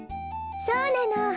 そうなの。